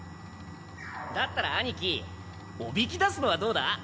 だったら兄貴おびき出すのはどうだ？